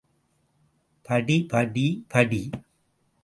படி, படி, படி!